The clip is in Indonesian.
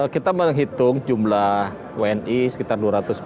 kita menghitung jumlah wni sekitar dua ratus empat puluh